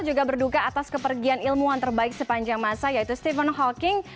juga berduka atas kepergian ilmuwan terbaik sepanjang masa yaitu stephen hawking